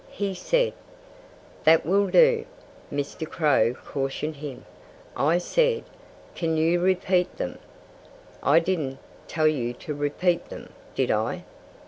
"He said " "That will do!" Mr. Crow cautioned him. "I said, 'Can you repeat them?' I didn't tell you to repeat them, did I?"